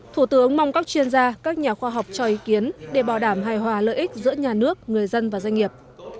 thủ tướng mong các chuyên gia các nhà khoa học cho ý kiến để bảo đảm hài hòa lợi ích giữa nhà nước người dân và doanh nghiệp